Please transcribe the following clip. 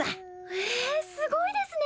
へぇすごいですね！